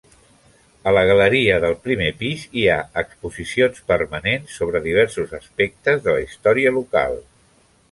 A la galeria del primer pis hi ha exposicions permanents sobre diversos aspectes de la història local.